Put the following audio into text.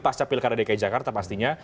pasca pilkada dki jakarta pastinya